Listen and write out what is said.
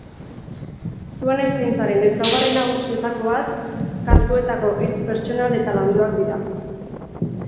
Zuen eskaintzaren ezaugarri nagusietako bat kantuetako hitz pertsonal eta landuak dira.